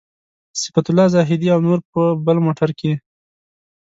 صفت الله زاهدي او نور په بل موټر کې.